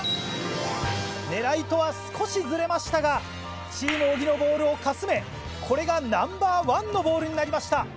狙いとは少しずれましたがチーム小木のボールをかすめこれがナンバー１のボールになりました。